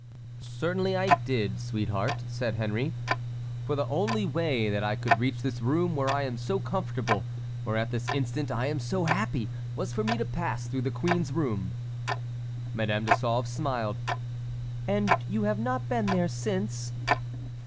"Certainly I did, sweetheart," said Henry, "for the only way that I could reach this room where I am so comfortable, where at this instant I am so happy, was for me to pass through the queen's room." Madame de Sauve smiled. "And you have not been there since?"